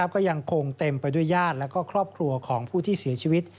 ก็ยังคงเต็มไปด้วยญาติและครอบครัวของผู้ที่เสียชีวิต